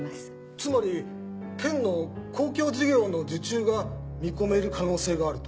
つまり県の公共事業の受注が見込める可能性があると？